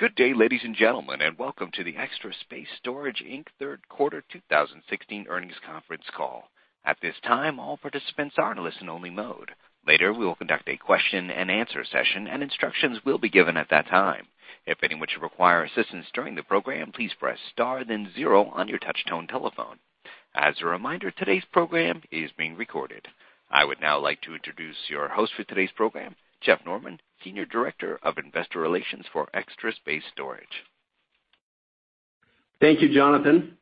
Good day, ladies and gentlemen, welcome to the Extra Space Storage Inc. third quarter 2016 earnings conference call. At this time, all participants are in listen only mode. Later, we will conduct a question and answer session and instructions will be given at that time. If anyone should require assistance during the program, please press star then zero on your touchtone telephone. As a reminder, today's program is being recorded. I would now like to introduce your host for today's program, Jeff Norman, Senior Director of Investor Relations for Extra Space Storage. Thank you, Jonathan.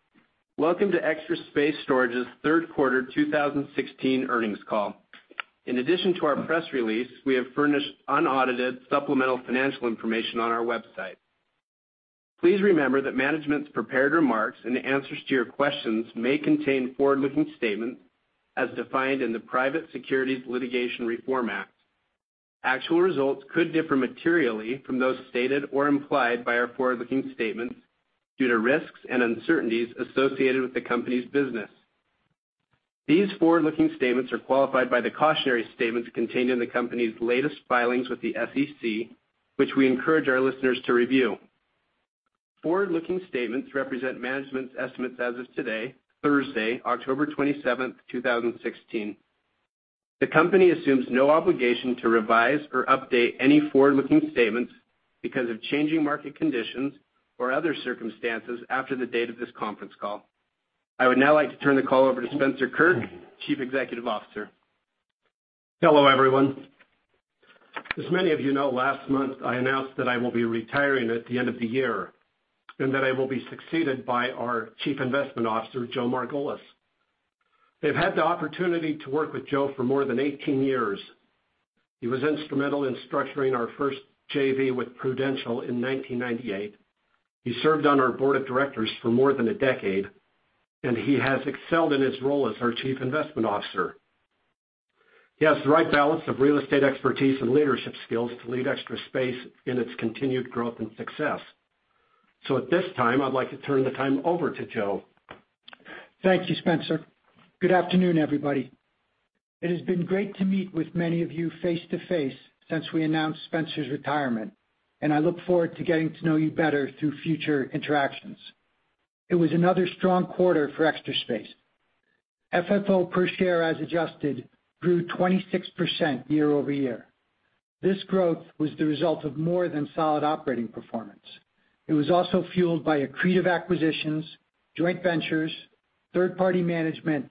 Welcome to Extra Space Storage's third quarter 2016 earnings call. In addition to our press release, we have furnished unaudited supplemental financial information on our website. Please remember that management's prepared remarks and the answers to your questions may contain forward-looking statements as defined in the Private Securities Litigation Reform Act. Actual results could differ materially from those stated or implied by our forward-looking statements due to risks and uncertainties associated with the company's business. These forward-looking statements are qualified by the cautionary statements contained in the company's latest filings with the SEC, which we encourage our listeners to review. Forward-looking statements represent management's estimates as of today, Thursday, October 27th, 2016. The company assumes no obligation to revise or update any forward-looking statements because of changing market conditions or other circumstances after the date of this conference call. I would now like to turn the call over to Spencer Kirk, Chief Executive Officer. Hello, everyone. As many of you know, last month, I announced that I will be retiring at the end of the year, that I will be succeeded by our Chief Investment Officer, Joe Margolis. I've had the opportunity to work with Joe for more than 18 years. He was instrumental in structuring our first JV with Prudential in 1998. He served on our board of directors for more than a decade, he has excelled in his role as our chief investment officer. At this time, I'd like to turn the time over to Joe. Thank you, Spencer. Good afternoon, everybody. It has been great to meet with many of you face-to-face since we announced Spencer's retirement, and I look forward to getting to know you better through future interactions. It was another strong quarter for Extra Space. FFO per share as adjusted grew 26% year-over-year. This growth was the result of more than solid operating performance. It was also fueled by accretive acquisitions, joint ventures, third-party management,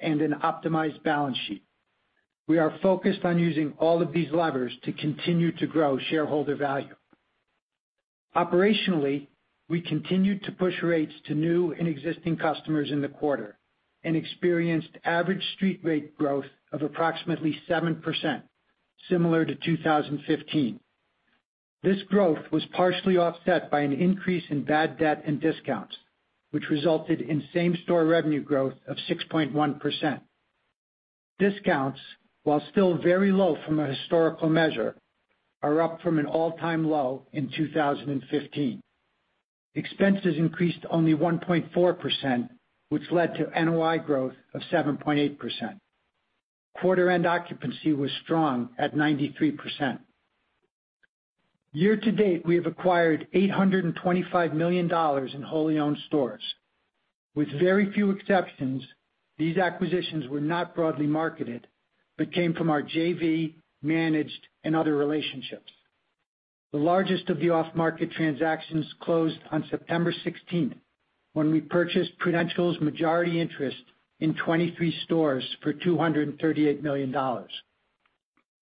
and an optimized balance sheet. We are focused on using all of these levers to continue to grow shareholder value. Operationally, we continued to push rates to new and existing customers in the quarter and experienced average street rate growth of approximately 7%, similar to 2015. This growth was partially offset by an increase in bad debt and discounts, which resulted in same-store revenue growth of 6.1%. Discounts, while still very low from a historical measure, are up from an all-time low in 2015. Expenses increased only 1.4%, which led to NOI growth of 7.8%. Quarter end occupancy was strong at 93%. Year to date, we have acquired $825 million in wholly owned stores. With very few exceptions, these acquisitions were not broadly marketed, but came from our JV, managed, and other relationships. The largest of the off-market transactions closed on September 16th, when we purchased Prudential's majority interest in 23 stores for $238 million.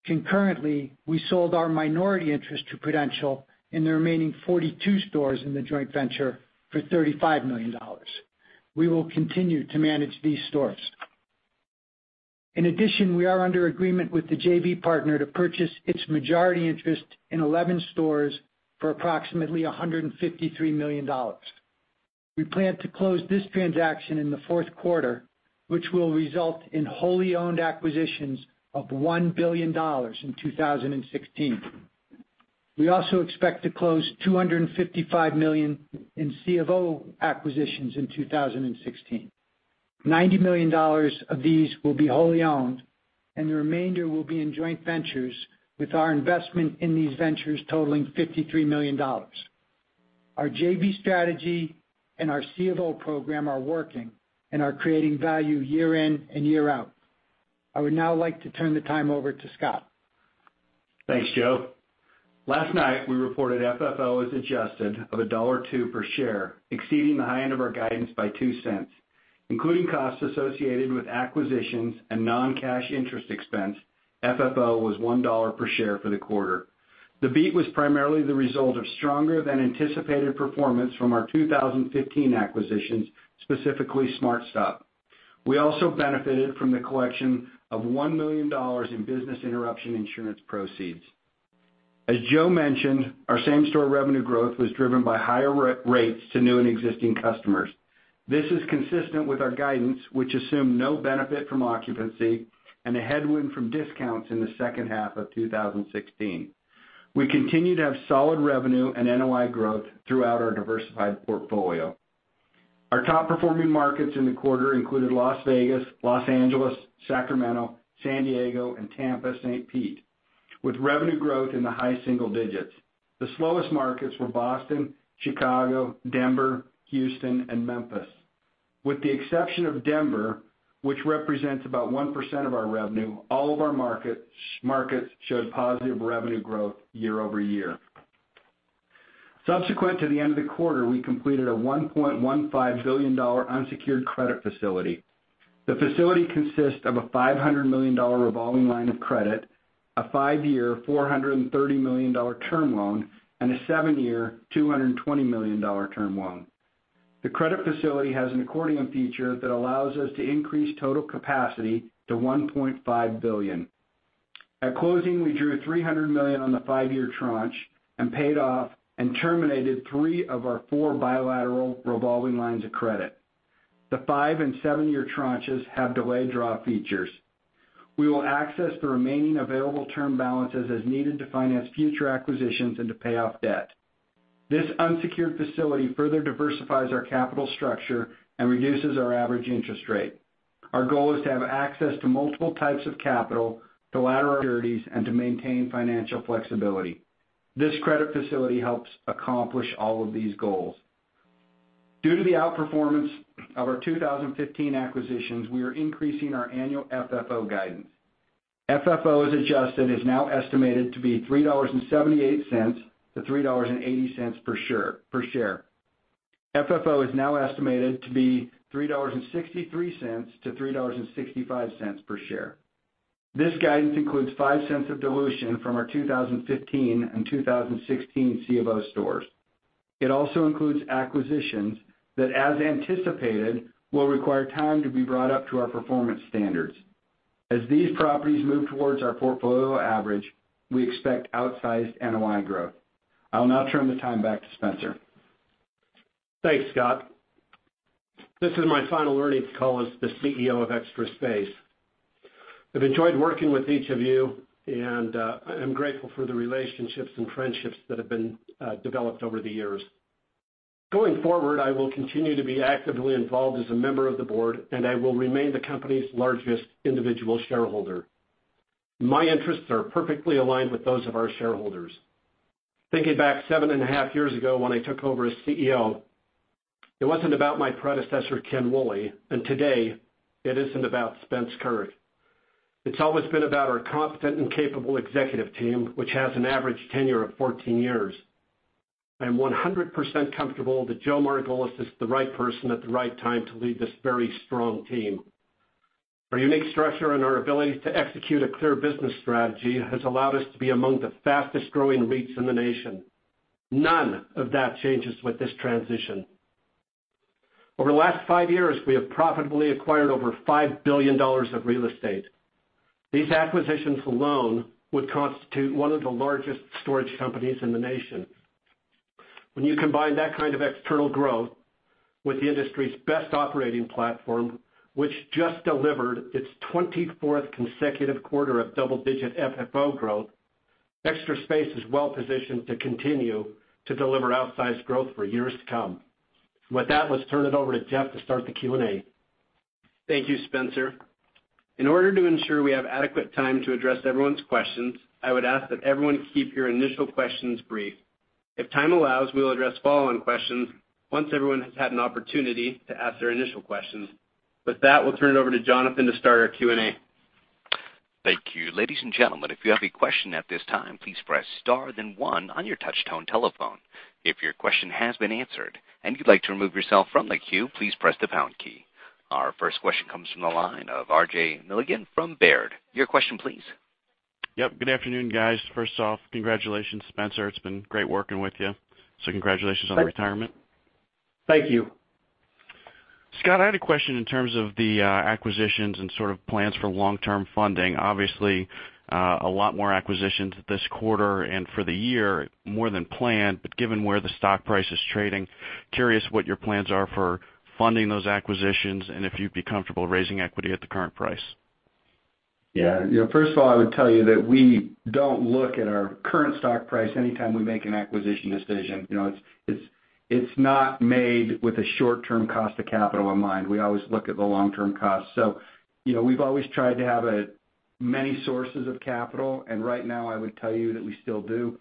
Concurrently, we sold our minority interest to Prudential in the remaining 42 stores in the joint venture for $35 million. We will continue to manage these stores. In addition, we are under agreement with the JV partner to purchase its majority interest in 11 stores for approximately $153 million. We plan to close this transaction in the fourth quarter, which will result in wholly owned acquisitions of $1 billion in 2016. We also expect to close $255 million in C of O acquisitions in 2016. $90 million of these will be wholly owned, and the remainder will be in joint ventures with our investment in these ventures totaling $53 million. Our JV strategy and our C of O program are working and are creating value year in and year out. I would now like to turn the time over to Scott. Thanks, Joe. Last night, we reported FFO as adjusted of a $1.02 per share, exceeding the high end of our guidance by $0.02. Including costs associated with acquisitions and non-cash interest expense, FFO was $1 per share for the quarter. The beat was primarily the result of stronger than anticipated performance from our 2015 acquisitions, specifically SmartStop. We also benefited from the collection of $1 million in business interruption insurance proceeds. As Joe mentioned, our same-store revenue growth was driven by higher rates to new and existing customers. This is consistent with our guidance, which assumed no benefit from occupancy and a headwind from discounts in the second half of 2016. We continue to have solid revenue and NOI growth throughout our diversified portfolio. Our top-performing markets in the quarter included Las Vegas, Los Angeles, Sacramento, San Diego, and Tampa, St. Pete, with revenue growth in the high single digits. The slowest markets were Boston, Chicago, Denver, Houston, and Memphis. With the exception of Denver, which represents about 1% of our revenue, all of our markets showed positive revenue growth year-over-year. Subsequent to the end of the quarter, we completed a $1.15 billion unsecured credit facility. The facility consists of a $500 million revolving line of credit, a five-year, $430 million term loan, and a seven-year, $220 million term loan. The credit facility has an accordion feature that allows us to increase total capacity to $1.5 billion. At closing, we drew $300 million on the five-year tranche and paid off and terminated three of our four bilateral revolving lines of credit. The five- and seven-year tranches have delayed draw features. We will access the remaining available term balances as needed to finance future acquisitions and to pay off debt. This unsecured facility further diversifies our capital structure and reduces our average interest rate. Our goal is to have access to multiple types of capital, to ladder our securities, and to maintain financial flexibility. This credit facility helps accomplish all of these goals. Due to the outperformance of our 2015 acquisitions, we are increasing our annual FFO guidance. FFO as adjusted is now estimated to be $3.78 to $3.80 per share. FFO is now estimated to be $3.63 to $3.65 per share. This guidance includes $0.05 of dilution from our 2015 and 2016 C of O stores. It also includes acquisitions that, as anticipated, will require time to be brought up to our performance standards. As these properties move towards our portfolio average, we expect outsized NOI growth. I'll now turn the time back to Spencer. Thanks, Scott. This is my final earnings call as the CEO of Extra Space. I've enjoyed working with each of you, and I'm grateful for the relationships and friendships that have been developed over the years. Going forward, I will continue to be actively involved as a member of the board, and I will remain the company's largest individual shareholder. My interests are perfectly aligned with those of our shareholders. Thinking back seven and a half years ago when I took over as CEO, it wasn't about my predecessor, Ken Woolley, and today, it isn't about Spence Kirk. It's always been about our competent and capable executive team, which has an average tenure of 14 years. I am 100% comfortable that Joe Margolis is the right person at the right time to lead this very strong team. Our unique structure and our ability to execute a clear business strategy has allowed us to be among the fastest-growing REITs in the nation. None of that changes with this transition. Over the last five years, we have profitably acquired over $5 billion of real estate. These acquisitions alone would constitute one of the largest storage companies in the nation. When you combine that kind of external growth with the industry's best operating platform, which just delivered its 24th consecutive quarter of double-digit FFO growth, Extra Space is well-positioned to continue to deliver outsized growth for years to come. With that, let's turn it over to Jeff to start the Q&A. Thank you, Spencer. In order to ensure we have adequate time to address everyone's questions, I would ask that everyone keep your initial questions brief. If time allows, we will address follow-on questions once everyone has had an opportunity to ask their initial questions. With that, we'll turn it over to Jonathan to start our Q&A. Thank you. Ladies and gentlemen, if you have a question at this time, please press star then one on your touch-tone telephone. If your question has been answered and you'd like to remove yourself from the queue, please press the pound key. Our first question comes from the line of RJ Milligan from Baird. Your question please. Yep. Good afternoon, guys. First off, congratulations, Spencer. It's been great working with you, so congratulations. Thank you on the retirement. Thank you. Scott, I had a question in terms of the acquisitions and sort of plans for long-term funding. Obviously, a lot more acquisitions this quarter and for the year, more than planned. Given where the stock price is trading, curious what your plans are for funding those acquisitions and if you'd be comfortable raising equity at the current price. Yeah. First of all, I would tell you that we don't look at our current stock price anytime we make an acquisition decision. It's not made with a short-term cost of capital in mind. We always look at the long-term cost. We've always tried to have many sources of capital, and right now, I would tell you that we still do.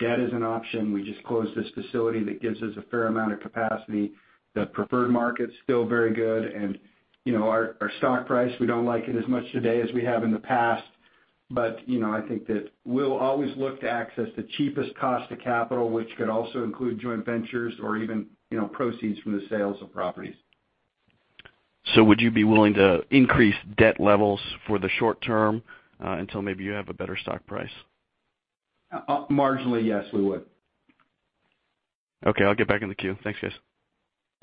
Debt is an option. We just closed this facility that gives us a fair amount of capacity. The preferred market's still very good. Our stock price, we don't like it as much today as we have in the past, but I think that we'll always look to access the cheapest cost of capital, which could also include joint ventures or even proceeds from the sales of properties. Would you be willing to increase debt levels for the short term, until maybe you have a better stock price? Marginally, yes, we would. Okay, I'll get back in the queue. Thanks, guys.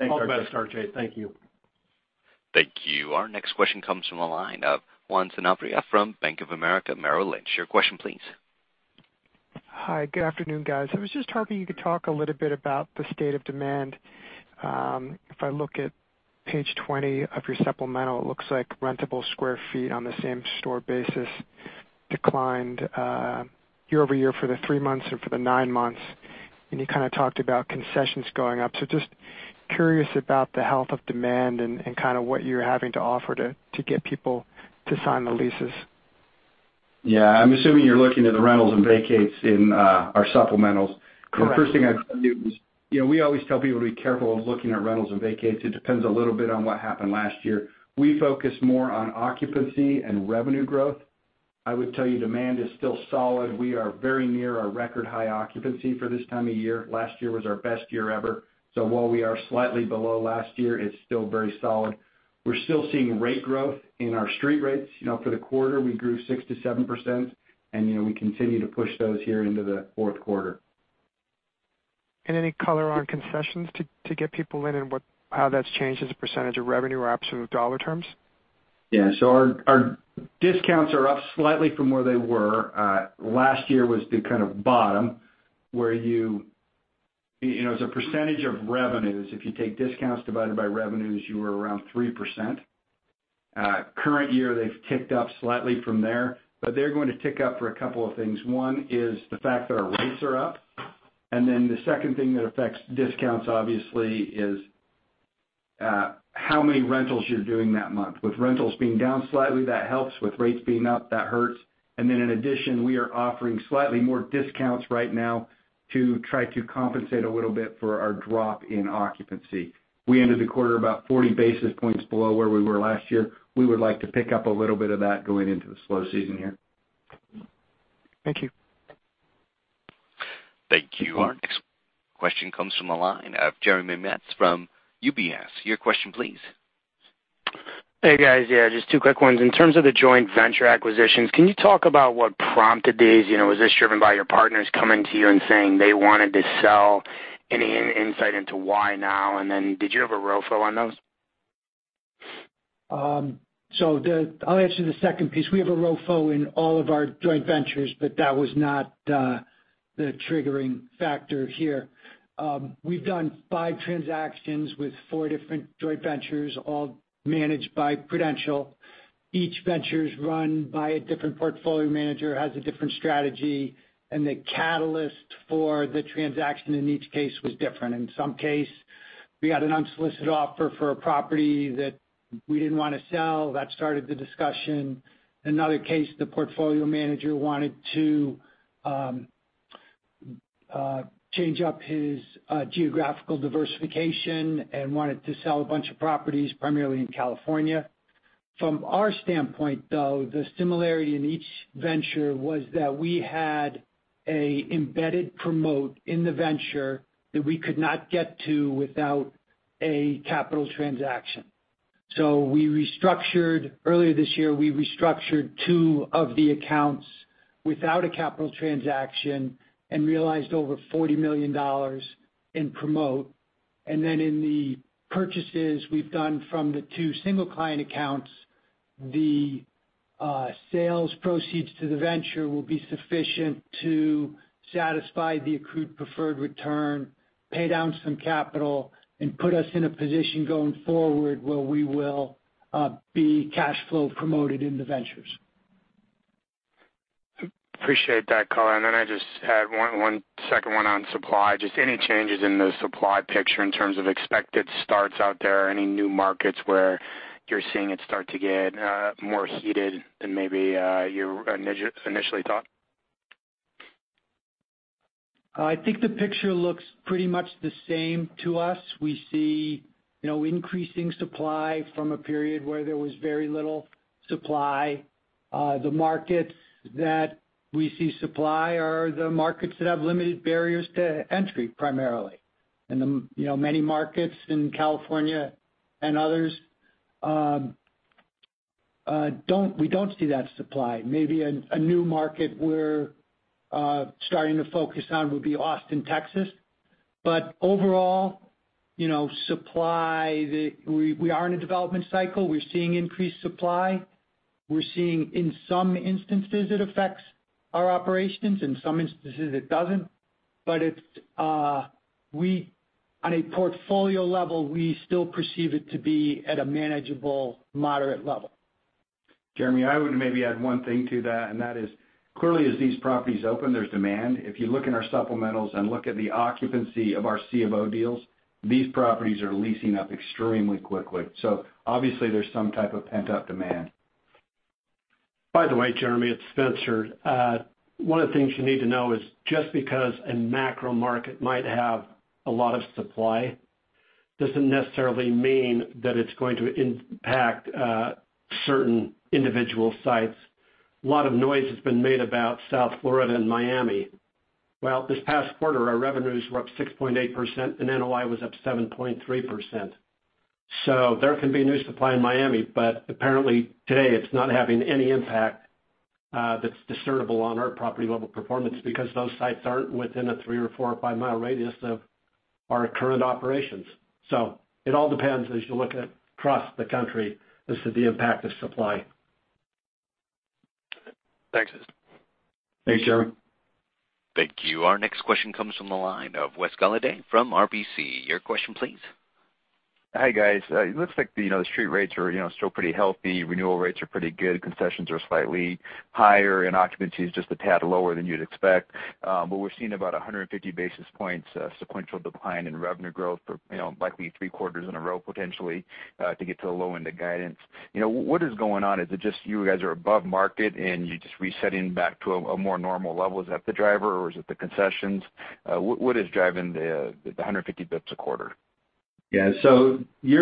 All the best, RJ. Thank you. Thank you. Our next question comes from the line of Juan Sanabria from Bank of America Merrill Lynch. Your question please. Hi. Good afternoon, guys. I was just hoping you could talk a little bit about the state of demand. If I look at Page 20 of your supplemental, it looks like rentable square feet on the same store basis declined year-over-year for the three months and for the nine months. You kind of talked about concessions going up. Just curious about the health of demand and kind of what you're having to offer to get people to sign the leases. Yeah. I'm assuming you're looking at the rentals and vacates in our supplementals. Correct. The first thing I'd tell you is, we always tell people to be careful of looking at rentals and vacates. It depends a little bit on what happened last year. We focus more on occupancy and revenue growth. I would tell you demand is still solid. We are very near our record high occupancy for this time of year. Last year was our best year ever. While we are slightly below last year, it's still very solid. We're still seeing rate growth in our street rates. For the quarter, we grew 6%-7%, and we continue to push those here into the fourth quarter. Any color on concessions to get people in and how that's changed as a % of revenue or absolute $ terms? Yeah. Our discounts are up slightly from where they were. Last year was the kind of bottom. As a % of revenues, if you take discounts divided by revenues, you were around 3%. Current year, they've ticked up slightly from there, they're going to tick up for a couple of things. One is the fact that our rates are up, the second thing that affects discounts obviously is how many rentals you're doing that month. With rentals being down slightly, that helps. With rates being up, that hurts. In addition, we are offering slightly more discounts right now to try to compensate a little bit for our drop in occupancy. We ended the quarter about 40 basis points below where we were last year. We would like to pick up a little bit of that going into the slow season here. Thank you. Thank you. Our next question comes from the line of Jeremy Metz from UBS. Your question please. Hey, guys. Yeah, just two quick ones. In terms of the joint venture acquisitions, can you talk about what prompted these? Was this driven by your partners coming to you and saying they wanted to sell? Any insight into why now, and then did you have a ROFO on those? I'll answer the second piece. We have a ROFO in all of our joint ventures, but that was not the triggering factor here. We've done five transactions with four different joint ventures, all managed by Prudential. Each venture's run by a different portfolio manager, has a different strategy, and the catalyst for the transaction in each case was different. In some case, we got an unsolicited offer for a property that we didn't want to sell. That started the discussion. In another case, the portfolio manager wanted to change up his geographical diversification and wanted to sell a bunch of properties, primarily in California. From our standpoint, though, the similarity in each venture was that we had an embedded promote in the venture that we could not get to without a capital transaction. We restructured Earlier this year, we restructured two of the accounts without a capital transaction and realized over $40 million in promote. In the purchases we've done from the two single client accounts, the sales proceeds to the venture will be sufficient to satisfy the accrued preferred return, pay down some capital, and put us in a position going forward where we will be cash flow promoted in the ventures. Appreciate that color. I just had one second one on supply. Any changes in the supply picture in terms of expected starts out there? Any new markets where you're seeing it start to get more heated than maybe you initially thought? I think the picture looks pretty much the same to us. We see increasing supply from a period where there was very little supply. The markets that we see supply are the markets that have limited barriers to entry, primarily. In the many markets in California and others, we don't see that supply. Maybe a new market we're starting to focus on would be Austin, Texas. Overall, supply, we are in a development cycle. We're seeing increased supply. We're seeing in some instances, it affects our operations, in some instances it doesn't. On a portfolio level, we still perceive it to be at a manageable, moderate level. Jeremy, I would maybe add one thing to that is clearly as these properties open, there's demand. If you look in our supplementals and look at the occupancy of our C of O deals, these properties are leasing up extremely quickly. Obviously there's some type of pent-up demand. By the way, Jeremy, it's Spencer. One of the things you need to know is just because a macro market might have a lot of supply, doesn't necessarily mean that it's going to impact certain individual sites. A lot of noise has been made about South Florida and Miami. Well, this past quarter, our revenues were up 6.8% and NOI was up 7.3%. There can be new supply in Miami, but apparently today it's not having any impact that's discernible on our property level performance because those sites aren't within a three or four or five-mile radius of our current operations. It all depends as you look at across the country as to the impact of supply. Thanks. Thanks, Jeremy. Thank you. Our next question comes from the line of Wes Golladay from RBC. Your question, please. Hi, guys. It looks like the street rates are still pretty healthy, renewal rates are pretty good, concessions are slightly higher, and occupancy is just a tad lower than you'd expect. We're seeing about 150 basis points sequential decline in revenue growth for likely three quarters in a row, potentially, to get to the low end of guidance. What is going on? Is it just you guys are above market and you're just resetting back to a more normal level? Is that the driver, or is it the concessions? What is driving the 150 bps a quarter? Year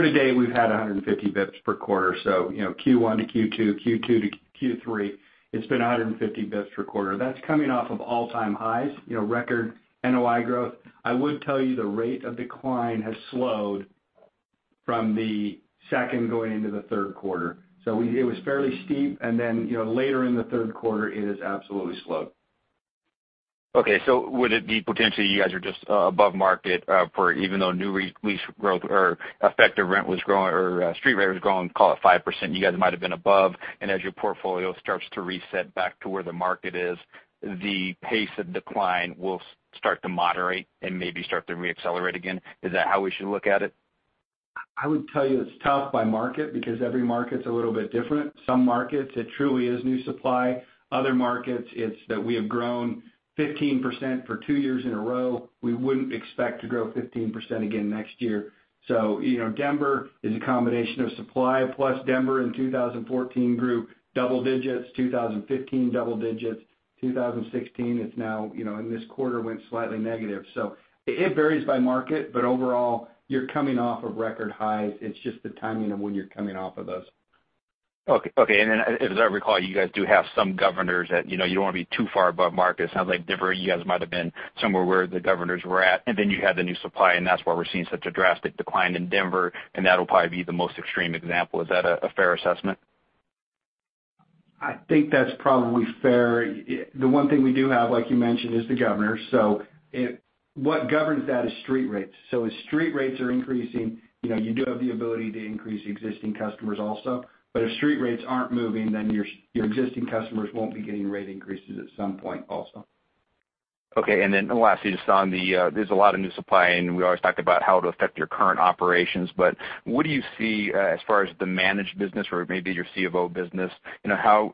to date, we've had 150 basis points per quarter. Q1 to Q2 to Q3, it's been 150 basis points per quarter. That's coming off of all-time highs, record NOI growth. I would tell you the rate of decline has slowed from the second going into the third quarter. It was fairly steep, and then, later in the third quarter, it has absolutely slowed. Okay. Would it be potentially you guys are just above market for even though new lease growth or effective rent was growing or street rate was growing, call it 5%, you guys might've been above, and as your portfolio starts to reset back to where the market is, the pace of decline will start to moderate and maybe start to re-accelerate again. Is that how we should look at it? I would tell you it's tough by market because every market's a little bit different. Some markets, it truly is new supply. Other markets, it's that we have grown 15% for two years in a row. We wouldn't expect to grow 15% again next year. Denver is a combination of supply, plus Denver in 2014 grew double digits, 2015 double digits. 2016, it's now, in this quarter, went slightly negative. It varies by market, but overall, you're coming off of record highs. It's just the timing of when you're coming off of those. Okay. As I recall, you guys do have some governors that you don't want to be too far above market. It sounds like Denver, you guys might've been somewhere where the governors were at, and then you had the new supply, and that's why we're seeing such a drastic decline in Denver, and that'll probably be the most extreme example. Is that a fair assessment? I think that's probably fair. The one thing we do have, like you mentioned, is the governor. What governs that is street rates. If street rates are increasing, you do have the ability to increase existing customers also. If street rates aren't moving, then your existing customers won't be getting rate increases at some point also. Okay. Lastly, just on the, there's a lot of new supply, and we always talked about how it'll affect your current operations. What do you see as far as the managed business or maybe your C of O business? How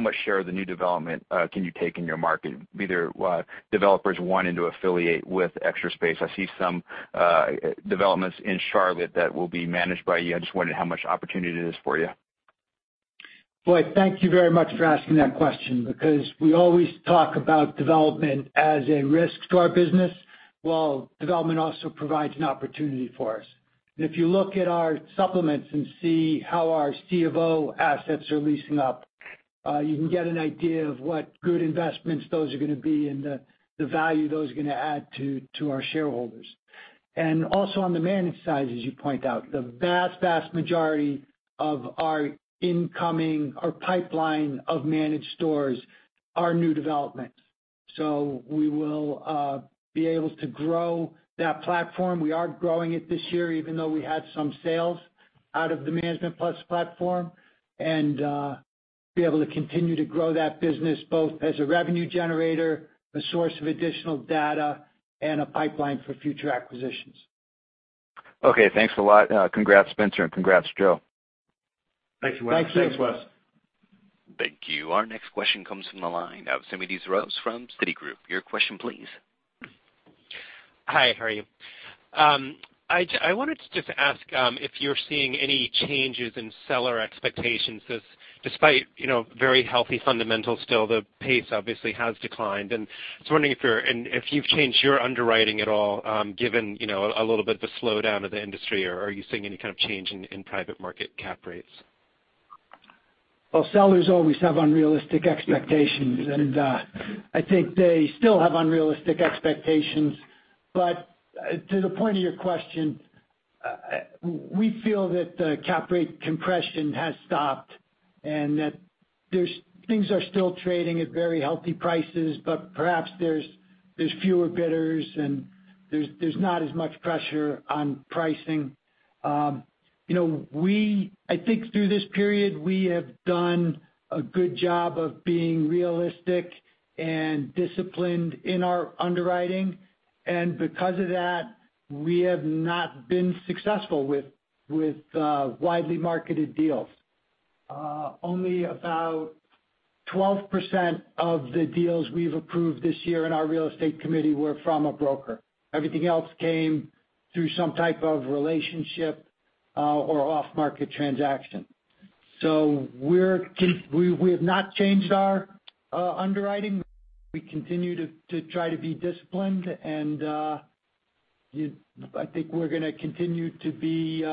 much share of the new development can you take in your market, be there developers wanting to affiliate with Extra Space? I see some developments in Charlotte that will be managed by you. I just wondered how much opportunity it is for you. Boy, thank you very much for asking that question because we always talk about development as a risk to our business, while development also provides an opportunity for us. If you look at our supplements and see how our C of O assets are leasing up, you can get an idea of what good investments those are gonna be and the value those are gonna add to our shareholders. Also on the managed side, as you point out, the vast majority of our incoming, our pipeline of managed stores are new developments. We will be able to grow that platform. We are growing it this year, even though we had some sales out of the ManagementPlus platform. Be able to continue to grow that business both as a revenue generator, a source of additional data, and a pipeline for future acquisitions. Okay, thanks a lot. Congrats, Spencer, and congrats, Joe. Thanks. Thanks. Thanks, Wes. Thank you. Our next question comes from the line of Smedes Rose from Citigroup. Your question, please. Hi, how are you? I wanted to just ask if you're seeing any changes in seller expectations, despite very healthy fundamentals still, the pace obviously has declined. I was wondering if you've changed your underwriting at all, given a little bit the slowdown of the industry, or are you seeing any kind of change in private market cap rates? Well, sellers always have unrealistic expectations, and I think they still have unrealistic expectations. To the point of your question, we feel that the cap rate compression has stopped and that things are still trading at very healthy prices, but perhaps there's fewer bidders, and there's not as much pressure on pricing. I think through this period, we have done a good job of being realistic and disciplined in our underwriting. Because of that, we have not been successful with widely marketed deals. Only about 12% of the deals we've approved this year in our real estate committee were from a broker. Everything else came through some type of relationship or off-market transaction. We have not changed our underwriting. We continue to try to be disciplined, and I think we're gonna continue to be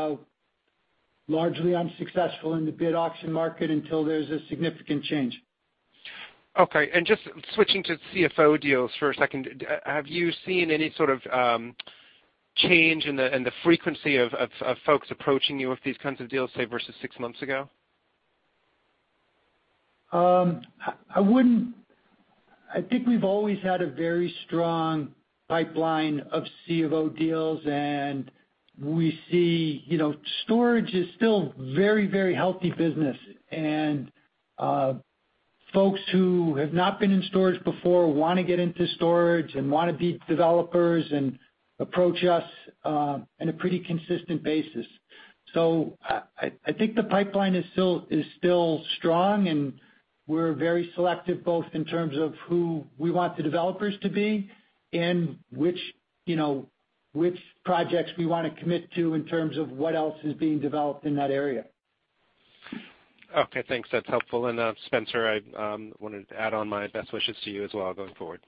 largely unsuccessful in the bid auction market until there's a significant change. Okay, just switching to C of O deals for a second, have you seen any sort of change in the frequency of folks approaching you with these kinds of deals, say, versus 6 months ago? I think we've always had a very strong pipeline of C of O deals, we see storage is still very healthy business. Folks who have not been in storage before, want to get into storage and want to be developers and approach us in a pretty consistent basis. I think the pipeline is still strong, we're very selective, both in terms of who we want the developers to be and which projects we want to commit to in terms of what else is being developed in that area. Okay, thanks. That's helpful. Spencer, I wanted to add on my best wishes to you as well going forward.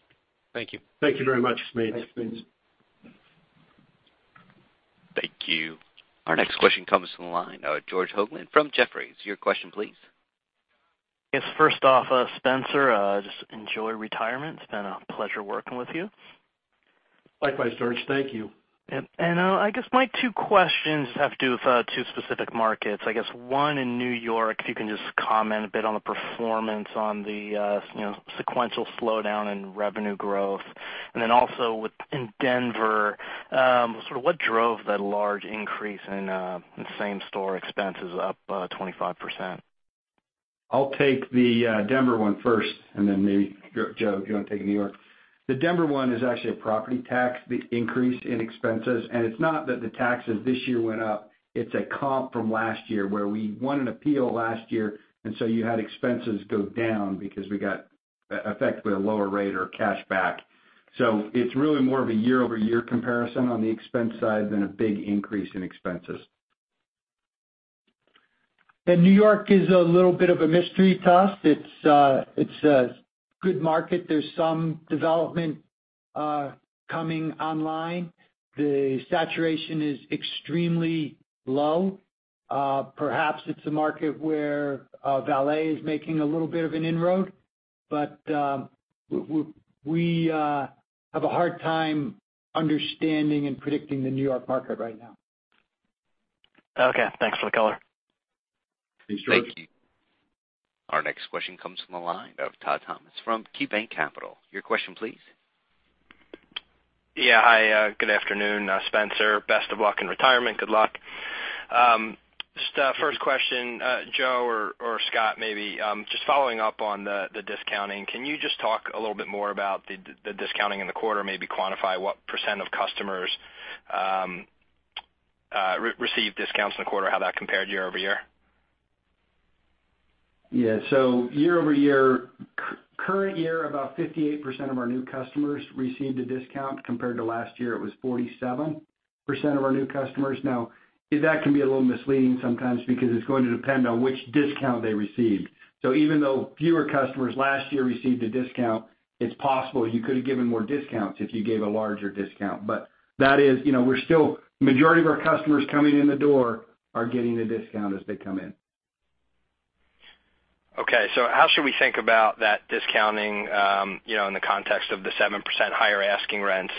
Thank you. Thank you very much, Smedes. Thank you. Our next question comes from the line of George Hoglund from Jefferies. Your question, please. Yes. First off, Spencer, just enjoy retirement. It's been a pleasure working with you. Likewise, George. Thank you. I guess my two questions have to do with two specific markets. I guess one in New York, if you can just comment a bit on the performance on the sequential slowdown in revenue growth. Also in Denver, sort of what drove that large increase in same store expenses up 25%? I'll take the Denver one first. Then maybe Joe, if you want to take New York. The Denver one is actually a property tax increase in expenses. It's not that the taxes this year went up, it's a comp from last year where we won an appeal last year, so you had expenses go down because we got effectively a lower rate or cash back. It's really more of a year-over-year comparison on the expense side than a big increase in expenses. New York is a little bit of a mystery to us. It's a good market. There's some development coming online. The saturation is extremely low. Perhaps it's a market where valet is making a little bit of an inroad, we have a hard time understanding and predicting the New York market right now. Okay. Thanks for the color. Thanks, George. Thank you. Our next question comes from the line of Todd Thomas from KeyBanc Capital. Your question, please. Yeah. Hi, good afternoon. Spencer, best of luck in retirement. Good luck. Just a first question, Joe or Scott maybe, just following up on the discounting, can you just talk a little bit more about the discounting in the quarter, maybe quantify what % of customers received discounts in the quarter, how that compared year-over-year? Yeah. Year-over-year, current year, about 58% of our new customers received a discount compared to last year, it was 47% of our new customers. That can be a little misleading sometimes because it's going to depend on which discount they received. Even though fewer customers last year received a discount, it's possible you could have given more discounts if you gave a larger discount. That is, majority of our customers coming in the door are getting a discount as they come in. Okay. How should we think about that discounting in the context of the 7% higher asking rents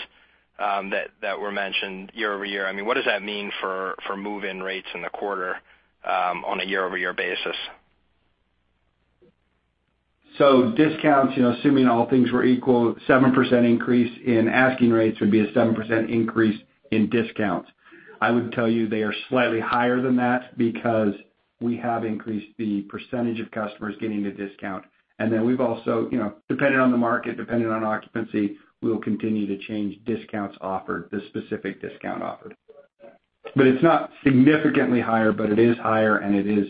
that were mentioned year-over-year? I mean, what does that mean for move-in rates in the quarter on a year-over-year basis? discounts, assuming all things were equal, a 7% increase in asking rates would be a 7% increase in discounts. I would tell you they are slightly higher than that because we have increased the percentage of customers getting the discount. We've also, dependent on the market, dependent on occupancy, we will continue to change discounts offered, the specific discount offered. It's not significantly higher, but it is higher, and it is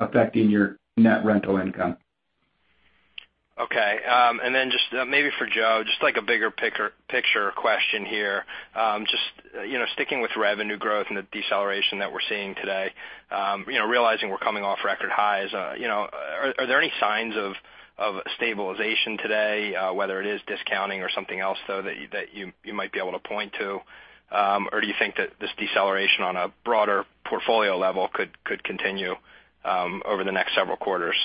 affecting your net rental income. Okay. Just maybe for Joe, just like a bigger picture question here. Just sticking with revenue growth and the deceleration that we're seeing today, realizing we're coming off record highs, are there any signs of stabilization today, whether it is discounting or something else though that you might be able to point to? Or do you think that this deceleration on a broader portfolio level could continue over the next several quarters?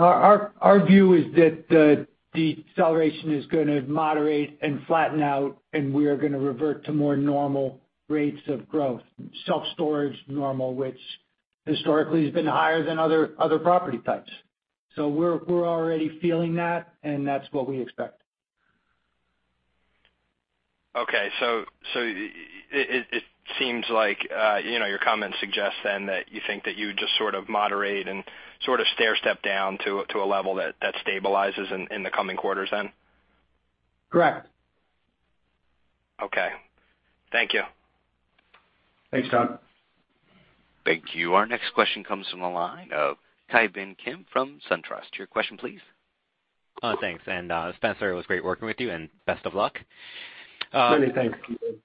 Our view is that the deceleration is going to moderate and flatten out, and we are going to revert to more normal rates of growth. Self-storage normal, which historically has been higher than other property types. We're already feeling that, and that's what we expect. Okay. It seems like your comments suggest then that you think that you just sort of moderate and sort of stairstep down to a level that stabilizes in the coming quarters then? Correct. Okay. Thank you. Thanks, Todd. Thank you. Our next question comes from the line of Ki Bin Kim from SunTrust. Your question, please. Thanks. Spencer, it was great working with you, and best of luck. Certainly. Thanks, Ki Bin.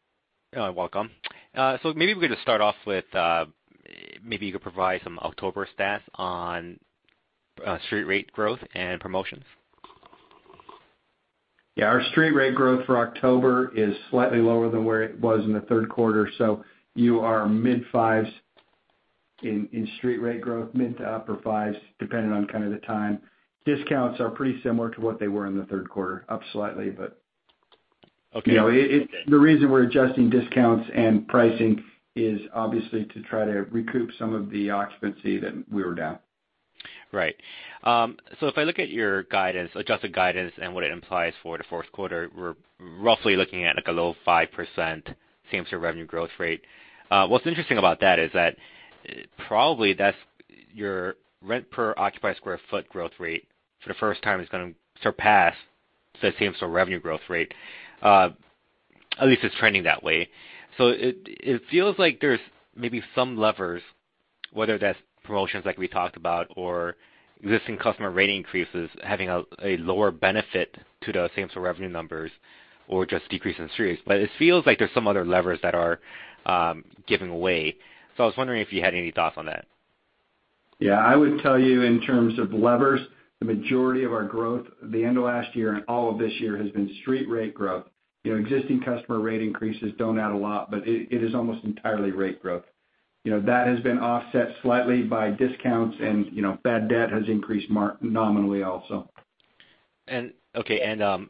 You are welcome. Maybe we could just start off with, maybe you could provide some October stats on street rate growth and promotions. Yeah, our street rate growth for October is slightly lower than where it was in the third quarter, you are mid fives in street rate growth, mid to upper fives, depending on kind of the time. Discounts are pretty similar to what they were in the third quarter, up slightly. Okay. The reason we're adjusting discounts and pricing is obviously to try to recoup some of the occupancy that we were down. Right. If I look at your adjusted guidance and what it implies for the fourth quarter, we're roughly looking at like a low 5% same store revenue growth rate. What's interesting about that is that probably your rent per occupied square foot growth rate for the first time is going to surpass the same store revenue growth rate. At least it's trending that way. It feels like there's maybe some levers, whether that's promotions like we talked about or existing customer rate increases having a lower benefit to the same store revenue numbers or just decrease in street rates. It feels like there's some other levers that are giving away. I was wondering if you had any thoughts on that. Yeah, I would tell you in terms of levers, the majority of our growth, the end of last year and all of this year has been street rate growth. Existing customer rate increases don't add a lot. It is almost entirely rate growth. That has been offset slightly by discounts and bad debt has increased nominally also. Okay.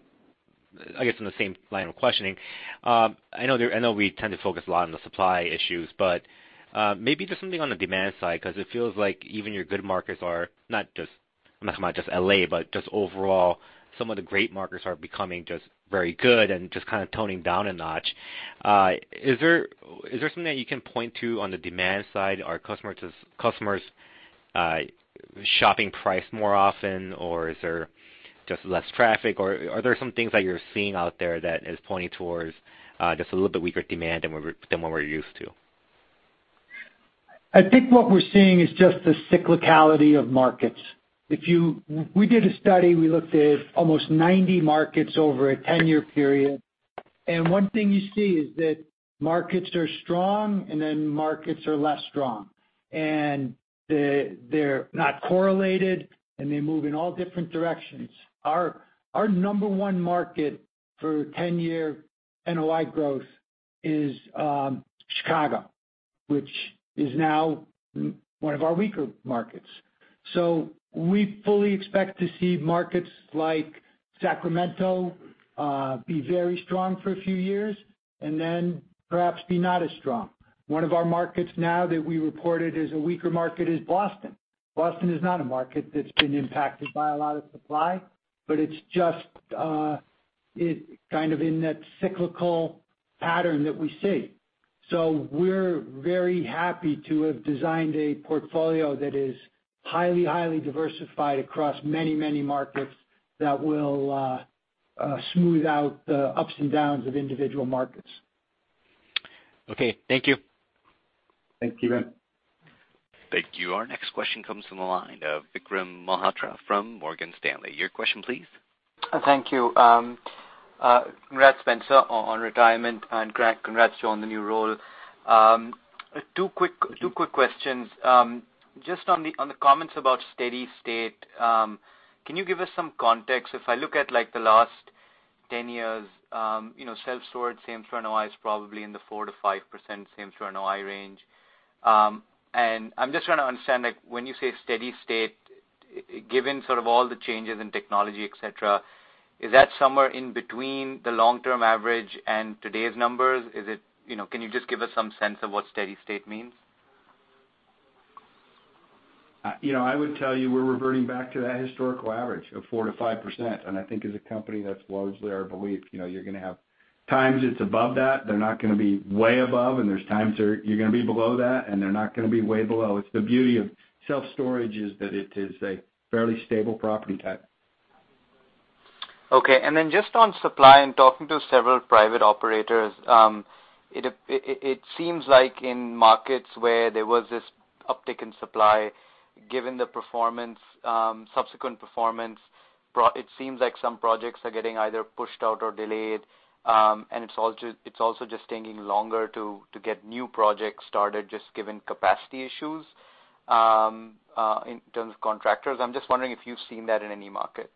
I guess in the same line of questioning, I know we tend to focus a lot on the supply issues. Maybe just something on the demand side. It feels like even your good markets are not just, I'm not talking about just L.A., but just overall, some of the great markets are becoming just very good and just kind of toning down a notch. Is there something that you can point to on the demand side? Are customers shopping price more often, or is there just less traffic, or are there some things that you're seeing out there that is pointing towards just a little bit weaker demand than what we're used to? I think what we're seeing is just the cyclicality of markets. We did a study, we looked at almost 90 markets over a 10-year period. One thing you see is that markets are strong and then markets are less strong. They're not correlated, and they move in all different directions. Our number one market for 10-year NOI growth is Chicago, which is now one of our weaker markets. We fully expect to see markets like Sacramento be very strong for a few years and then perhaps be not as strong. One of our markets now that we reported as a weaker market is Boston. Boston is not a market that's been impacted by a lot of supply. It's just kind of in that cyclical pattern that we see. We're very happy to have designed a portfolio that is highly diversified across many, many markets that will smooth out the ups and downs of individual markets. Okay. Thank you. Thank you. Thank you. Our next question comes from the line of Vikram Malhotra from Morgan Stanley. Your question, please. Thank you. Congrats, Spencer, on retirement, and congrats, Joe, on the new role. Two quick questions. On the comments about steady state, can you give us some context? If I look at like the last 10 years, self-storage same store NOI is probably in the 4%-5% same store NOI range. I'm just trying to understand, like, when you say steady state, given sort of all the changes in technology, et cetera, is that somewhere in between the long-term average and today's numbers? Can you just give us some sense of what steady state means? I would tell you we're reverting back to that historical average of 4%-5%. I think as a company, that's largely our belief. You're going to have times it's above that, they're not going to be way above, and there's times where you're going to be below that, and they're not going to be way below. It's the beauty of self-storage is that it is a fairly stable property type. Okay. On supply and talking to several private operators, it seems like in markets where there was this uptick in supply, given the subsequent performance, it seems like some projects are getting either pushed out or delayed. It's also just taking longer to get new projects started, just given capacity issues, in terms of contractors. I'm just wondering if you've seen that in any markets.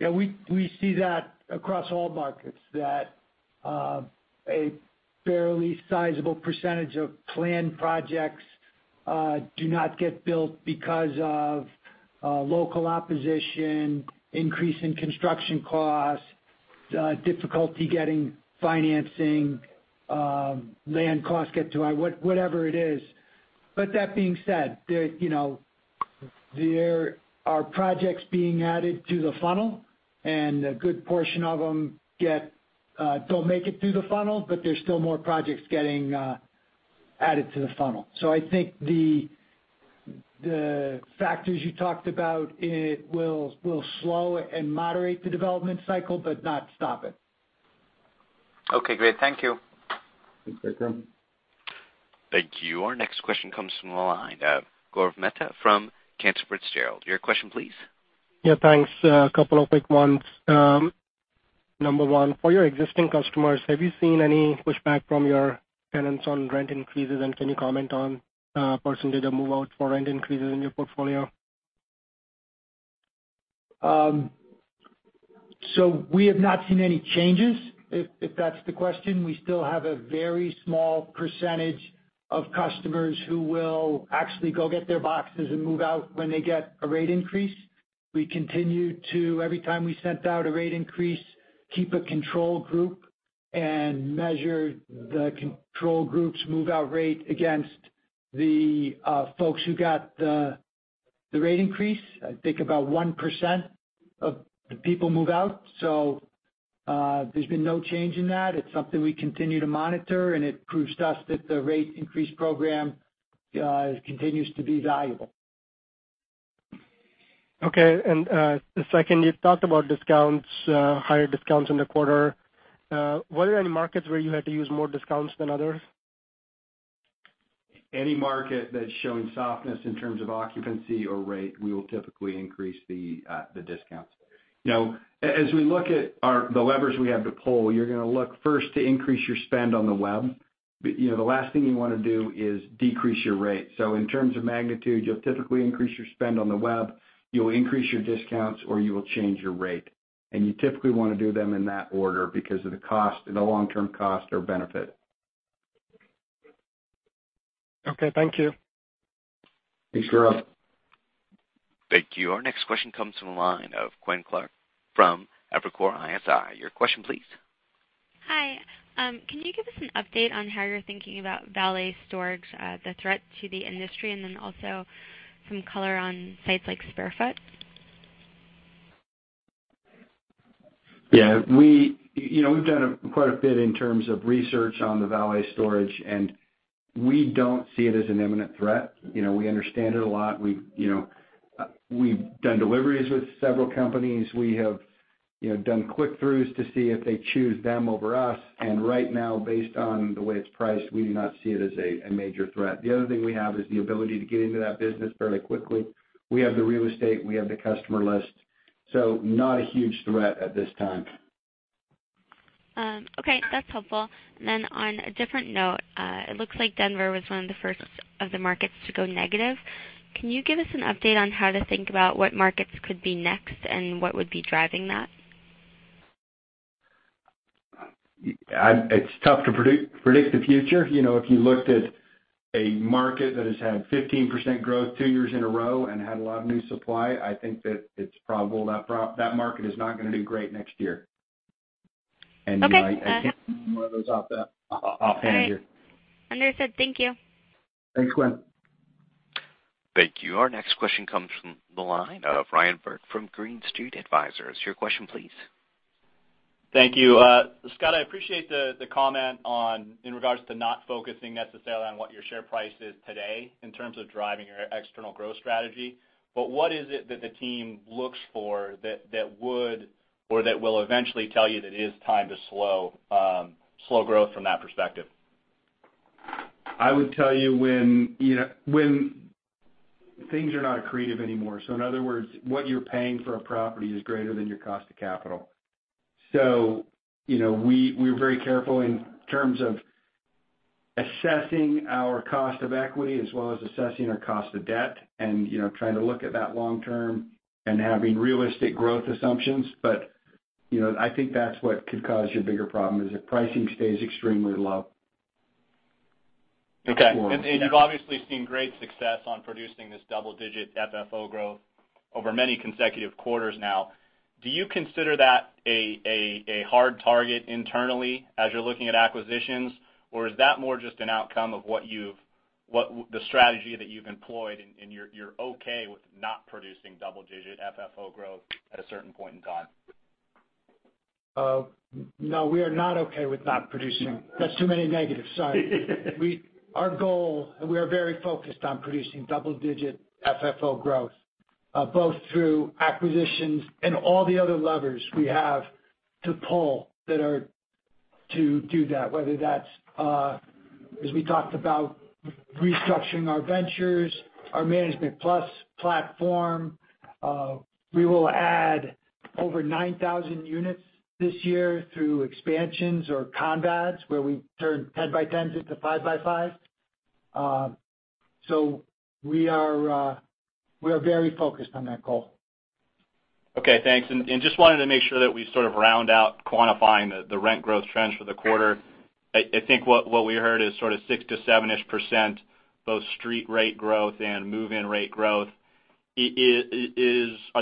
We see that across all markets, that a fairly sizable percentage of planned projects do not get built because of local opposition, increase in construction costs, difficulty getting financing, land costs get too high, whatever it is. That being said, there are projects being added to the funnel, a good portion of them don't make it through the funnel, there's still more projects getting added to the funnel. I think the factors you talked about will slow and moderate the development cycle but not stop it. Okay, great. Thank you. Thanks, Vikram. Thank you. Our next question comes from the line of Gaurav Mehta from Cantor Fitzgerald. Your question, please. Yeah, thanks. A couple of quick ones. Number 1, for your existing customers, have you seen any pushback from your tenants on rent increases, and can you comment on % of move-out for rent increases in your portfolio? We have not seen any changes, if that's the question. We still have a very small percentage of customers who will actually go get their boxes and move out when they get a rate increase. We continue to, every time we sent out a rate increase, keep a control group and measure the control group's move-out rate against the folks who got the rate increase. I think about 1% of the people move out. There's been no change in that. It's something we continue to monitor, and it proves to us that the rate increase program continues to be valuable. Okay. Second, you talked about discounts, higher discounts in the quarter. Were there any markets where you had to use more discounts than others? Any market that's showing softness in terms of occupancy or rate, we will typically increase the discounts. As we look at the levers we have to pull, you're going to look first to increase your spend on the web. The last thing you want to do is decrease your rate. In terms of magnitude, you'll typically increase your spend on the web, you'll increase your discounts, or you will change your rate. You typically want to do them in that order because of the long-term cost or benefit. Okay, thank you. Thanks, Gaurav. Thank you. Our next question comes from the line of Gwen Clark from Evercore ISI. Your question, please. Hi. Can you give us an update on how you're thinking about valet storage, the threat to the industry, and then also some color on sites like SpareFoot? Yeah. We've done quite a bit in terms of research on the valet storage. We don't see it as an imminent threat. We understand it a lot. We've done deliveries with several companies. We have done click-throughs to see if they choose them over us. Right now, based on the way it's priced, we do not see it as a major threat. The other thing we have is the ability to get into that business fairly quickly. We have the real estate, we have the customer list. Not a huge threat at this time. Okay, that's helpful. On a different note, it looks like Denver was one of the first of the markets to go negative. Can you give us an update on how to think about what markets could be next and what would be driving that? It's tough to predict the future. If you looked at a market that has had 15% growth two years in a row and had a lot of new supply, I think that it's probable that market is not going to do great next year. Okay. I can't think of any more of those offhand here. All right. Understood. Thank you. Thanks, Gwen. Thank you. Our next question comes from the line of Ryan Burke from Green Street Advisors. Your question, please. Thank you. Scott, I appreciate the comment in regards to not focusing necessarily on what your share price is today in terms of driving your external growth strategy, but what is it that the team looks for that would, or that will eventually tell you that it is time to slow growth from that perspective? I would tell you when things are not accretive anymore. In other words, what you're paying for a property is greater than your cost of capital. We're very careful in terms of assessing our cost of equity as well as assessing our cost of debt and trying to look at that long term and having realistic growth assumptions. I think that's what could cause you bigger problem, is if pricing stays extremely low going forward. Okay. You've obviously seen great success on producing this double-digit FFO growth over many consecutive quarters now. Do you consider that a hard target internally as you're looking at acquisitions, or is that more just an outcome of the strategy that you've employed and you're okay with not producing double-digit FFO growth at a certain point in time? No, we are not okay with not producing. That's too many negatives, sorry. Our goal, we are very focused on producing double-digit FFO growth, both through acquisitions and all the other levers we have to pull to do that, whether that's, as we talked about, restructuring our ventures, our ManagementPlus platform. We will add over 9,000 units this year through expansions or conversions, where we turn 10 by 10s into five by five. We are very focused on that goal. Okay, thanks. Just wanted to make sure that we sort of round out quantifying the rent growth trends for the quarter. I think what we heard is sort of 6 to 7-ish percent, both street rate growth and move-in rate growth. Are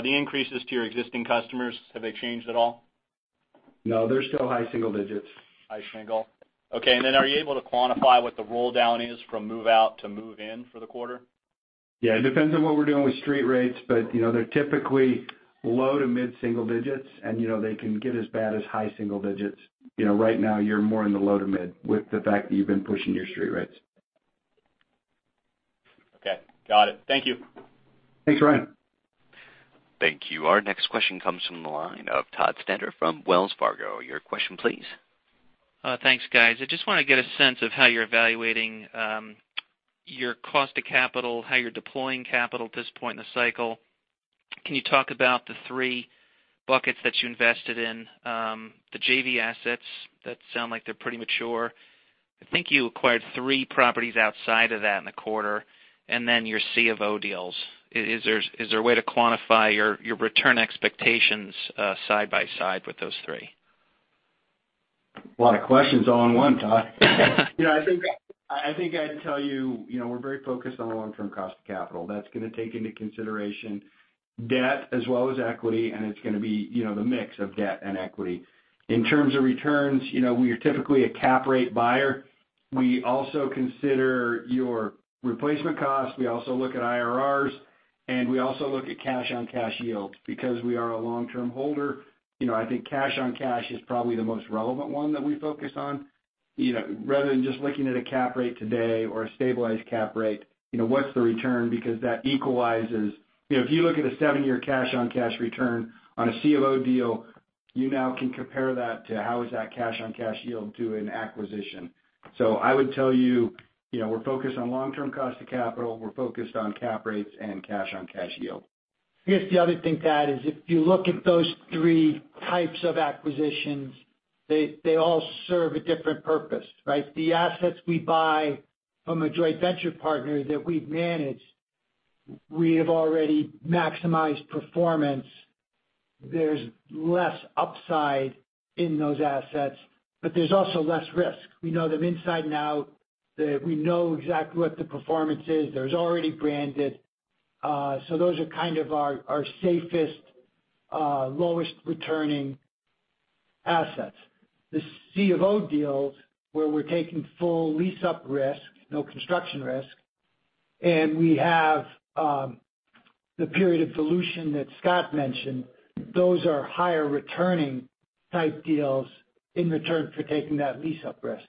the increases to your existing customers, have they changed at all? No, they're still high single digits. High single. Okay. Are you able to quantify what the roll-down is from move-out to move-in for the quarter? Yeah, it depends on what we're doing with street rates, but they're typically low to mid single digits, and they can get as bad as high single digits. Right now, you're more in the low to mid with the fact that you've been pushing your street rates. Okay. Got it. Thank you. Thanks, Ryan. Thank you. Our next question comes from the line of Todd Stender from Wells Fargo. Your question, please. Thanks, guys. I just want to get a sense of how you're evaluating your cost of capital, how you're deploying capital at this point in the cycle. Can you talk about the three buckets that you invested in? The JV assets, that sound like they're pretty mature. I think you acquired three properties outside of that in the quarter, and then your C of O deals. Is there a way to quantify your return expectations side by side with those three? A lot of questions all in one, Todd. I think I'd tell you, we're very focused on the long-term cost of capital. That's going to take into consideration debt as well as equity, and it's going to be the mix of debt and equity. In terms of returns, we are typically a cap rate buyer. We also consider your replacement costs. We also look at IRRs, and we also look at cash-on-cash yield. Because we are a long-term holder, I think cash-on-cash is probably the most relevant one that we focus on, rather than just looking at a cap rate today or a stabilized cap rate, what's the return? Because that equalizes. If you look at a seven-year cash-on-cash return on a C of O deal, you now can compare that to how is that cash-on-cash yield to an acquisition. I would tell you, we're focused on long-term cost of capital. We're focused on cap rates and cash-on-cash yield. I guess the other thing, Todd, is if you look at those 3 types of acquisitions, they all serve a different purpose, right? The assets we buy from a joint venture partner that we manage, we have already maximized performance. There's less upside in those assets, but there's also less risk. We know them inside and out. We know exactly what the performance is. They're already branded. Those are kind of our safest, lowest returning assets. The C of O deals, where we're taking full lease-up risk, no construction risk, and we have the period of dilution that Scott mentioned, those are higher returning type deals in return for taking that lease-up risk.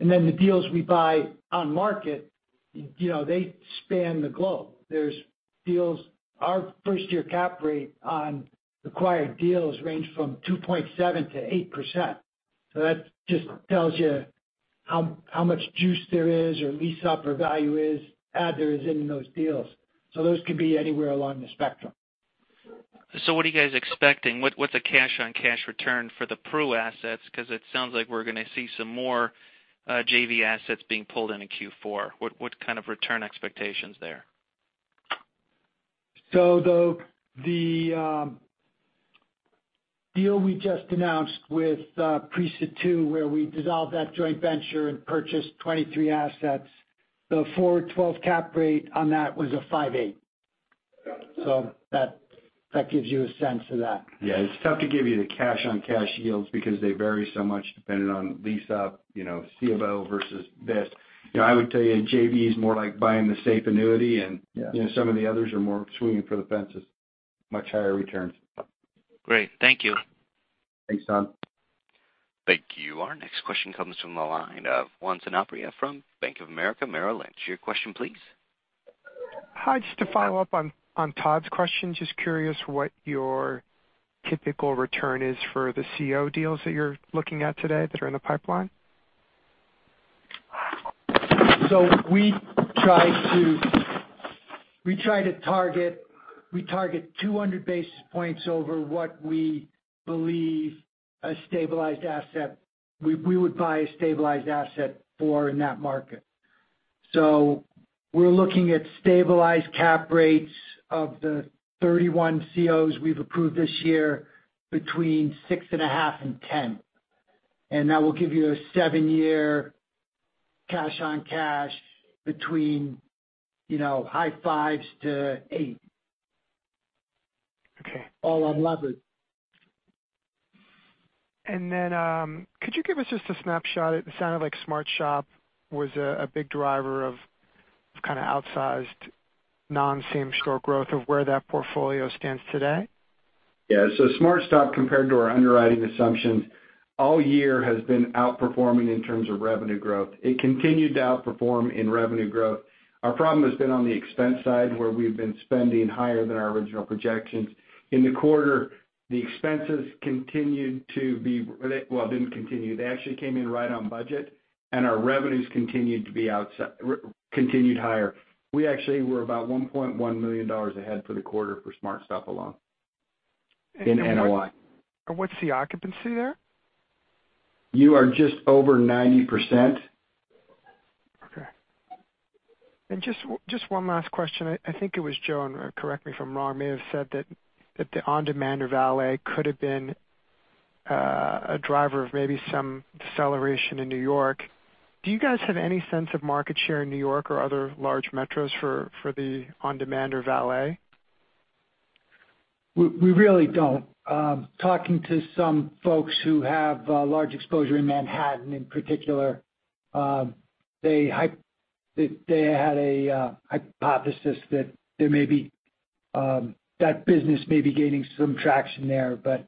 The deals we buy on market, they span the globe. Our first-year cap rate on acquired deals range from 2.7%-8%. That just tells you how much juice there is or lease-up or value add there is in those deals. Those could be anywhere along the spectrum. What are you guys expecting? What's the cash-on-cash return for the Pru assets? Because it sounds like we're going to see some more JV assets being pulled in in Q4. What kind of return expectations there? The deal we just announced with PRISA II, where we dissolved that joint venture and purchased 23 assets, the forward 12 cap rate on that was a 5.8%. That gives you a sense of that. Yeah. It's tough to give you the cash-on-cash yields because they vary so much depending on lease-up, C of O versus this. I would tell you, a JV is more like buying the safe annuity and- Yeah some of the others are more swinging for the fences. Much higher returns. Great. Thank you. Thanks, Todd. Thank you. Our next question comes from the line of Juan Sanabria from Bank of America Merrill Lynch. Your question please. Hi, just to follow up on Todd's question, just curious what your typical return is for the CO deals that you're looking at today that are in the pipeline. We try to target 200 basis points over what we believe we would buy a stabilized asset for in that market. We're looking at stabilized cap rates of the 31 COs we've approved this year between 6.5% and 10%. That will give you a seven-year cash-on-cash between high 5% to 8%. Okay. All unlevered. Could you give us just a snapshot, it sounded like SmartStop was a big driver of kind of outsized non-same-store growth of where that portfolio stands today? Yeah. SmartStop, compared to our underwriting assumptions, all year has been outperforming in terms of revenue growth. It continued to outperform in revenue growth. Our problem has been on the expense side, where we've been spending higher than our original projections. In the quarter, the expenses actually came in right on budget, and our revenues continued higher. We actually were about $1.1 million ahead for the quarter for SmartStop alone in NOI. What's the occupancy there? You are just over 90%. Okay. Just one last question. I think it was Joe, and correct me if I'm wrong, may have said that the on-demand or valet could have been a driver of maybe some deceleration in New York. Do you guys have any sense of market share in New York or other large metros for the on-demand or valet? We really don't. Talking to some folks who have large exposure in Manhattan in particular, they had a hypothesis that business may be gaining some traction there, but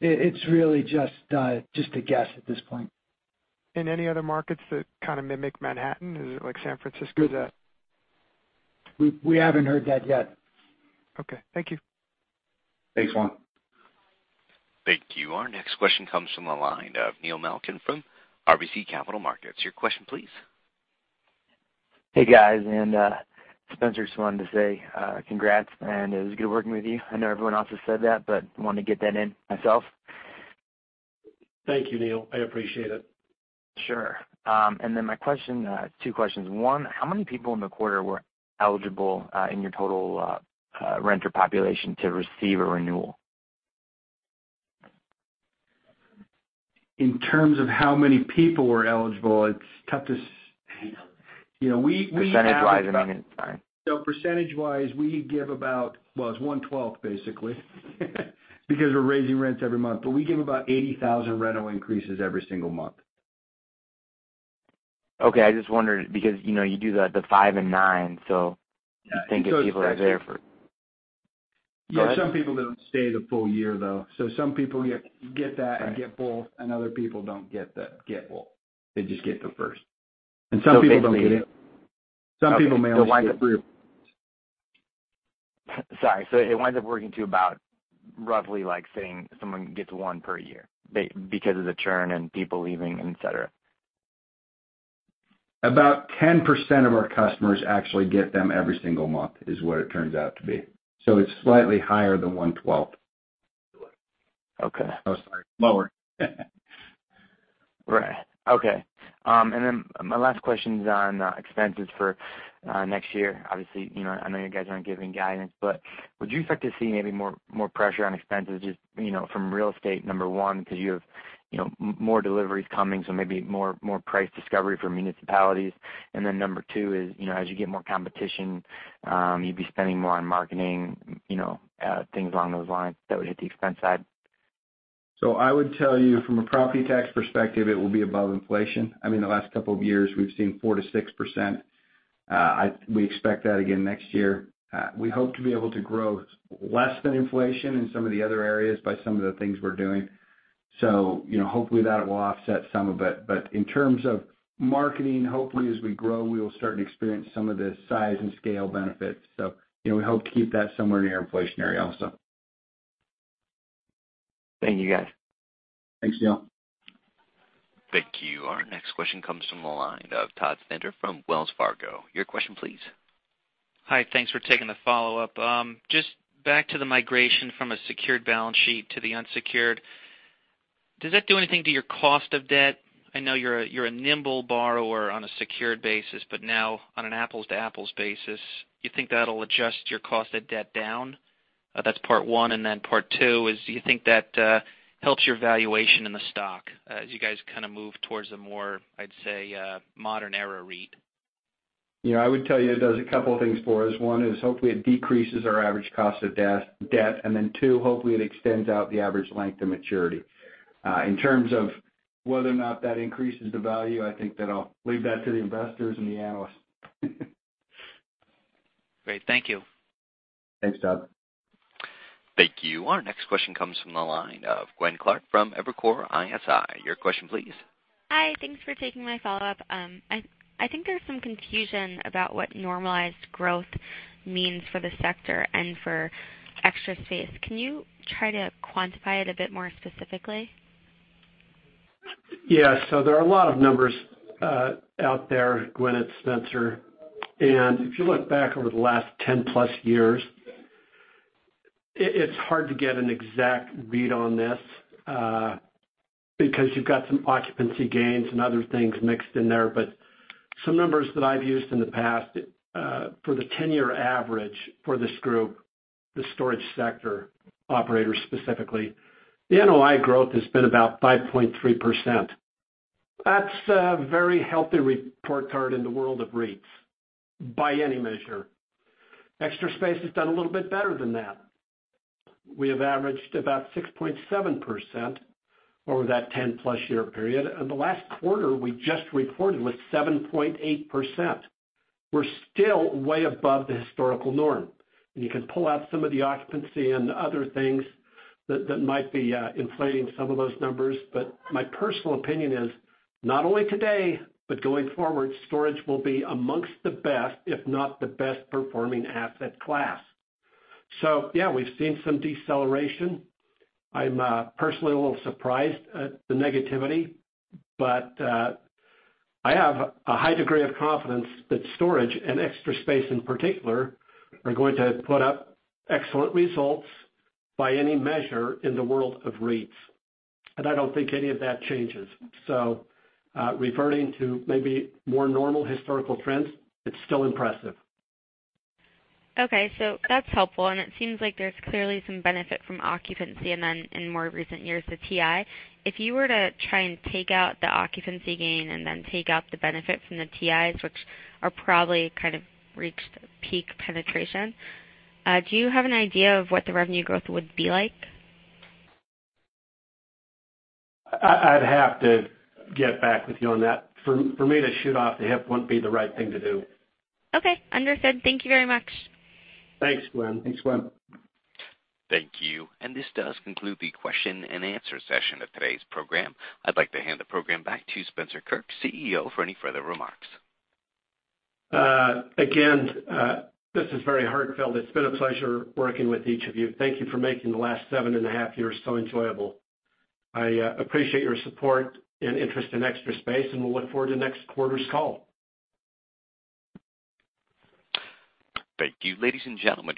it's really just a guess at this point. In any other markets that kind of mimic Manhattan? Is it like San Francisco? We haven't heard that yet. Okay. Thank you. Thanks, Juan. Thank you. Our next question comes from the line of Neil Malkin from RBC Capital Markets. Your question please. Hey, guys, and Spencer, just wanted to say congrats, and it was good working with you. I know everyone else has said that, but wanted to get that in myself. Thank you, Neil. I appreciate it. Sure. My question, two questions. One, how many people in the quarter were eligible in your total renter population to receive a renewal? In terms of how many people were eligible, it's tough to Percentage-wise, I mean. Sorry. percentage-wise, we give about, well, it's one twelfth basically because we're raising rents every month, but we give about 80,000 rental increases every single month. Okay. I just wondered because you do the five and nine. Yeah thinking people are there for. Go ahead. Yeah. Some people don't stay the full year, though. Some people get that and get both, and other people don't get both. They just get the first. Some people don't get it. Some people may only get. Sorry. It winds up working to about roughly like saying someone gets one per year because of the churn and people leaving, et cetera. About 10% of our customers actually get them every single month, is what it turns out to be. It's slightly higher than one twelfth. Okay. Oh, sorry. Lower. Right. Okay. My last question's on expenses for next year. Obviously, I know you guys aren't giving guidance, but would you expect to see maybe more pressure on expenses just from real estate, number one, because you have more deliveries coming, so maybe more price discovery from municipalities. Number two is, as you get more competition, you'd be spending more on marketing, things along those lines that would hit the expense side. I would tell you from a property tax perspective, it will be above inflation. I mean, the last couple of years, we've seen 4%-6%. We expect that again next year. We hope to be able to grow less than inflation in some of the other areas by some of the things we're doing. Hopefully that will offset some of it. In terms of marketing, hopefully as we grow, we will start to experience some of the size and scale benefits. We hope to keep that somewhere near inflationary also. Thank you, guys. Thanks, Neil. Thank you. Our next question comes from the line of Todd Stender from Wells Fargo. Your question please. Hi. Thanks for taking the follow-up. Just back to the migration from a secured balance sheet to the unsecured, does that do anything to your cost of debt? I know you're a nimble borrower on a secured basis, but now on an apples-to-apples basis, you think that'll adjust your cost of debt down? That's part one. Part two is, do you think that helps your valuation in the stock as you guys kind of move towards a more, I'd say, modern era REIT? Yeah, I would tell you it does a couple things for us. One is hopefully it decreases our average cost of debt. Two, hopefully it extends out the average length to maturity. In terms of whether or not that increases the value, I think that I'll leave that to the investors and the analysts. Great. Thank you. Thanks, Todd. Thank you. Our next question comes from the line of Gwen Clark from Evercore ISI. Your question please. Hi. Thanks for taking my follow-up. I think there's some confusion about what normalized growth means for the sector and for Extra Space. Can you try to quantify it a bit more specifically? There are a lot of numbers out there, Gwen, it's Spencer. If you look back over the last 10+ years, it's hard to get an exact read on this, because you've got some occupancy gains and other things mixed in there. Some numbers that I've used in the past, for the 10-year average for this group, the storage sector operators specifically, the NOI growth has been about 5.3%. That's a very healthy report card in the world of REITs by any measure. Extra Space has done a little bit better than that. We have averaged about 6.7% over that 10+ year period, and the last quarter we just reported was 7.8%. We're still way above the historical norm. You can pull out some of the occupancy and other things that might be inflating some of those numbers, my personal opinion is, not only today, but going forward, storage will be amongst the best, if not the best performing asset class. We've seen some deceleration. I'm personally a little surprised at the negativity, I have a high degree of confidence that storage and Extra Space in particular, are going to put up excellent results by any measure in the world of REITs. I don't think any of that changes. Reverting to maybe more normal historical trends, it's still impressive. Okay, that's helpful. It seems like there's clearly some benefit from occupancy and then in more recent years, the TI. If you were to try and take out the occupancy gain and then take out the benefit from the TIs, which are probably kind of reached peak penetration, do you have an idea of what the revenue growth would be like? I'd have to get back with you on that. For me to shoot off the hip wouldn't be the right thing to do. Okay, understood. Thank you very much. Thanks, Gwen. Thank you. This does conclude the question-and-answer session of today's program. I'd like to hand the program back to Spencer Kirk, CEO, for any further remarks. Again, this is very heartfelt. It's been a pleasure working with each of you. Thank you for making the last seven and a half years so enjoyable. I appreciate your support and interest in Extra Space, we'll look forward to next quarter's call. Thank you, ladies and gentlemen.